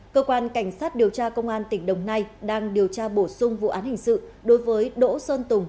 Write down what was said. cơ quan cảnh sát điều tra công an tỉnh đồng nai đang điều tra bổ sung vụ án hình sự đối với đỗ sơn tùng